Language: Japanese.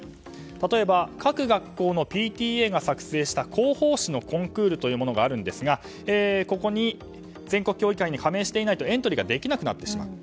例えば各学校のＰＴＡが作成した広報誌のコンクールというものがあるんですがここに全国協議会に加盟していないとエントリーができなくなってしまう。